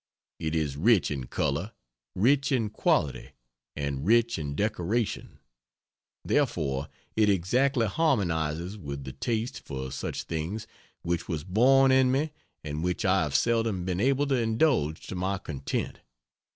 It is rich in color, rich in quality, and rich in decoration, therefore it exactly harmonizes with the taste for such things which was born in me and which I have seldom been able to indulge to my content.